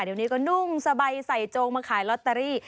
เดี๋ยวนี้ก็นุ่งสบายใส่โจงมาขายลอตเตอรี่